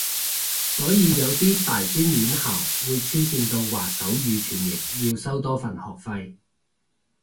所以有啲大專院校會黐線到話手語傳譯要收多份學費